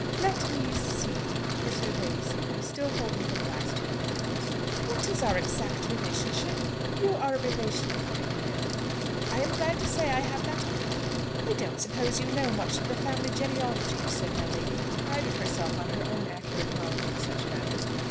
"Let me see," pursued Lady Seely, still holding her glass to her eyes, "what is our exact relationship? You are a relation of mine, you know." "I am glad to say I have that honour." "I don't suppose you know much of the family genealogy," said my lady, who prided herself on her own accurate knowledge of such matters.